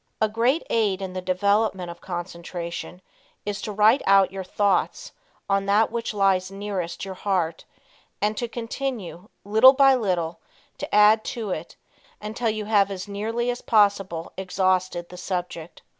A great aid in the development of concentration is to write out your thoughts on that which lies nearest your heart and to continue, little by little, to add to it until you have as nearly as possible exhausted the subject.